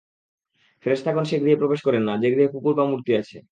ফেরেশতাগণ সে গৃহে প্রবেশ করেন না, যে গৃহে কুকুর বা মূর্তি আছে।